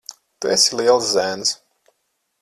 Tu esi liels zēns.